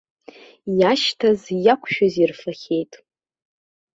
Иашьҭаз-иақәшәаз ирфахьеит.